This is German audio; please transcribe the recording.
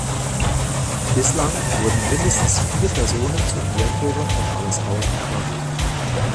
Bislang wurden mindestens vier Personen zu Ehrenbürgern von Allershausen ernannt.